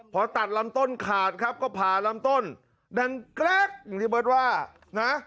พอตัดลำต้นขาดครับก็ผ่าลำต้นดังแกรกอย่างที่เบิร์ตว่านะ